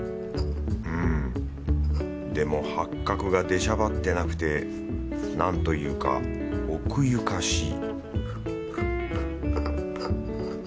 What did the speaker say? うんでもハッカクが出しゃばってなくてなんというか奥ゆかしい